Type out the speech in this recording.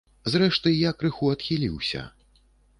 Зрэшты, я крыху адхіліўся.